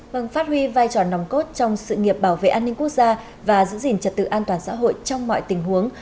vâng phát huy vai trò nòng cốt trong sự nghiệp bảo vệ an ninh quốc gia và giữ gìn trật tự an toàn xã hội trong mọi tình huống